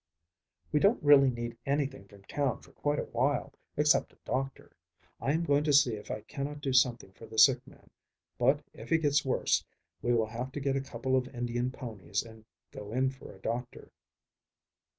"We don't really need anything from town for quite a while, except a doctor. I am going to see if I cannot do something for the sick man, but if he gets worse, we will have to get a couple of Indian ponies and go in for a doctor.